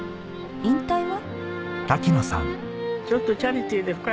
引退は？